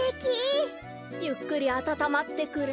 ゆっくりあたたまってくれ。